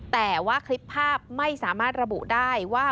แต่ว่าคลิปภาพไม่สามารถระบุได้ว่า